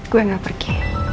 saya tidak pergi